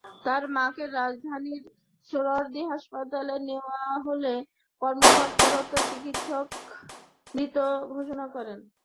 তাঁর মাকে রাজধানীর সোহরাওয়ার্দী হাসপাতালে নেওয়া হলে কর্তব্যরত চিকিৎসক মৃত ঘোষণা করেন।